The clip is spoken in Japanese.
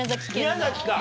宮崎か。